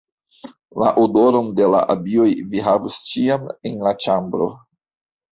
La odoron de la abioj vi havos ĉiam en la ĉambro.